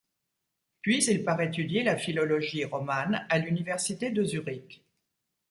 Puis il part étudier la philologie romane à l'université de Zurich.